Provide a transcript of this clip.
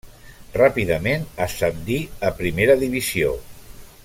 Ràpidament ascendí a Primera Divisió.